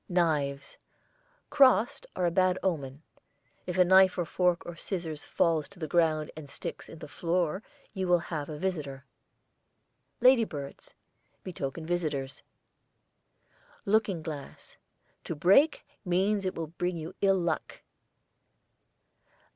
KNIVES crossed are a bad omen. If a knife or fork or scissors falls to the ground and sticks in the floor you will have a visitor. LADYBIRDS betoken visitors. LOOKING GLASS. To break means it will bring you ill luck.